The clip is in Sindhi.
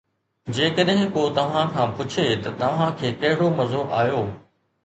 جيڪڏهن ڪو توهان کان پڇي ته، توهان کي ڪهڙو مزو آيو؟